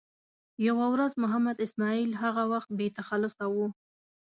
یوه ورځ محمد اسماعیل هغه وخت بې تخلصه و.